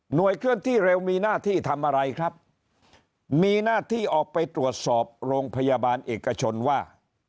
เคลื่อนที่เร็วมีหน้าที่ทำอะไรครับมีหน้าที่ออกไปตรวจสอบโรงพยาบาลเอกชนว่า